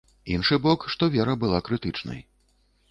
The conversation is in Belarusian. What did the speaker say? Іншы бок, што вера была крытычнай.